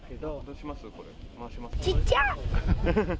ちっちゃ。